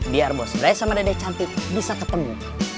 biar bos dry sama dede cantik bisa ketemu